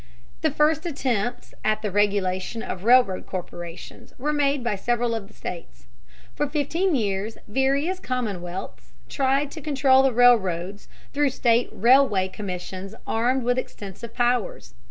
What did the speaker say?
The first attempts at the regulation of railroad corporations were made by several of the states. For fifteen years various commonwealths tried to control the railroads through state railway commissions armed with extensive powers.